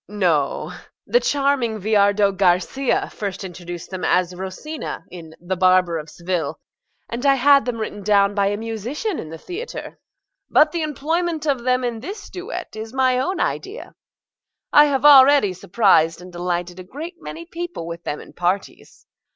MRS. GOLD. NO: the charming Viardot Garcia first introduced them as Rosina in "The Barber of Seville," and I had them written down by a musician in the theatre. But the employment of them in this duet is my own idea. I have already surprised and delighted a great many people with them in parties.